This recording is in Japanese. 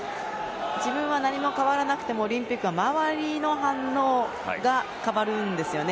自分は何も変わらなくてもオリンピックは周りの反応が変わるんですよね。